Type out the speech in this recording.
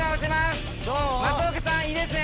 松岡さんいいですね？